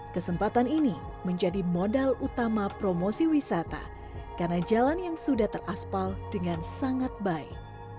kesempatan ini menjadi modal utama promosi wisata karena jalan yang sudah teraspal dengan sangat baik